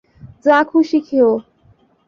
যা খুশি খেও।